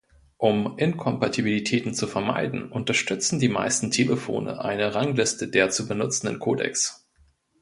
Um Inkompatibilitäten zu vermeiden, unterstützen die meisten Telefone eine Rangliste der zu benutzenden Codecs.